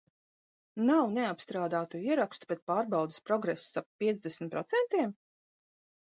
Nav neapstrādātu ierakstu, bet pārbaudes progress ap piecdesmit procentiem?